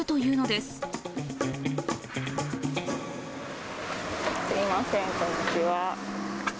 すみません、こんにちは。